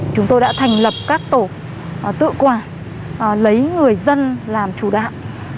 chúng tôi đã thành lập các tổ tự quản lấy người dân làm chủ đạo